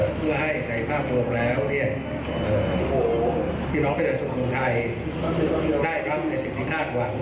เพื่อให้ในภาพโรคแล้วเนี่ยเอ่อที่น้องพระเจ้าสมุทรไทยได้รับในสิทธิฆาตหวัง